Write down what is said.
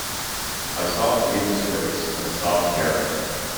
I stopped reading scripts and stopped caring.